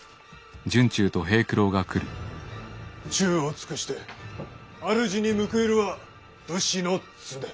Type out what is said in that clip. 忠を尽くして主に報いるは武士の常。